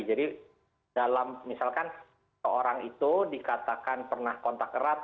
jadi dalam misalkan seorang itu dikatakan pernah kontak erat